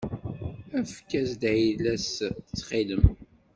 Efk-as-d ayla-s ttxil-m.